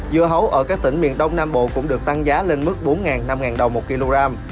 dưa hấu ở các tỉnh miền đông nam bộ cũng được tăng giá lên mức bốn năm đồng một kg